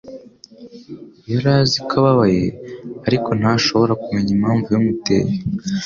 Yari azi ko ababaye, ariko ntashobora kumenya impamvu yabimuteye.